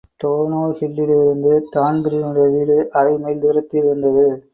டோனோஹில்லிருந்து தான்பிரீனுடைய வீடு அரை மையில் தூரத்தி இருந்தது.